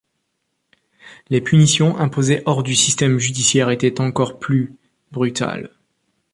Les punitions imposées hors du système judiciaire étaient encore plus brutales.